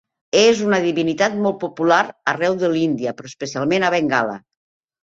És una divinitat molt popular arreu de l'Índia, però especialment a Bengala.